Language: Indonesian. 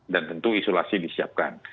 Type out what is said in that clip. dan tentu isolasi disiapkan